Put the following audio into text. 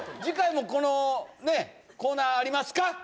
次回もこのコーナーありますか？